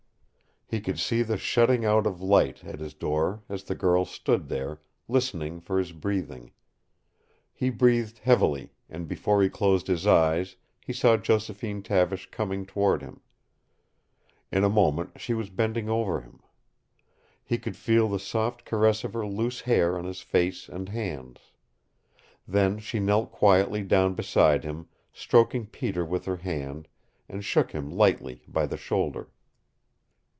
He could see the shutting out of light at his door as the girl stood there, listening for his breathing. He breathed heavily, and before he closed his eyes he saw Josephine Tavish coming toward him. In a moment she was bending over him. He could feel the soft caress of her loose hair on his face and hands. Then she knelt quietly down beside him, stroking Peter with her hand, and shook him lightly by the shoulder.